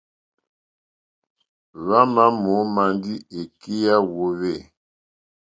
Hwámà mǒmá ndí èkí yá hwōhwê.